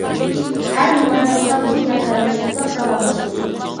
ھەر نېمە بولسا بۇ يەر تەۋرەش ئۇزاق داۋاملاشمىدى.